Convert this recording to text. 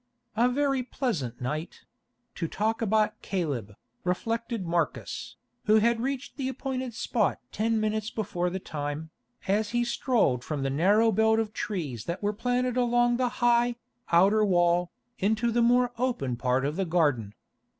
"A very pleasant night—to talk about Caleb," reflected Marcus, who had reached the appointed spot ten minutes before the time, as he strolled from the narrow belt of trees that were planted along the high, outer wall, into the more open part of the garden.